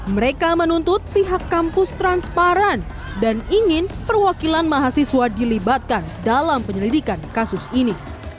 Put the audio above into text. mereka menuntut pihak kampus transparan dan ingin perwakilan mahasiswa dilibatkan dalam penyelidikan kasus ini